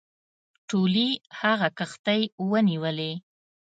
ټولي هغه کښتۍ ونیولې.